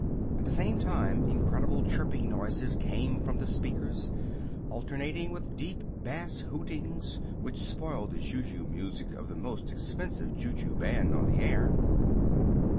At the same time incredible chirping noises came from the speakers, alternating with deep bass hootings, which spoiled the ju ju music of the most expensive ju ju band on the air.